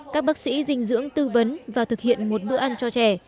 các bác sĩ dinh dưỡng tư vấn và thực hiện một bữa ăn cho trẻ